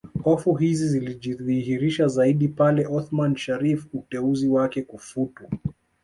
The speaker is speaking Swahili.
Hofu hizi zilijidhihirisha zaidi pale Othman Sharrif uteuzi wake kufutwa